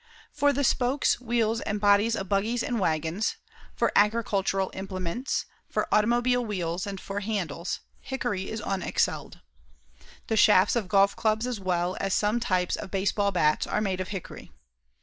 For the spokes, wheels and bodies of buggies and wagons, for agricultural implements, for automobile wheels and for handles, hickory is unexcelled. The shafts of golf clubs as well as some types of base ball bats are made of hickory.